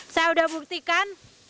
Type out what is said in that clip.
saya udah buktikan